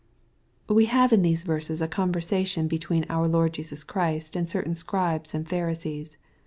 We have in these verses a conversation between out Lord Jesus Christy and certain Scribes and Pharisees.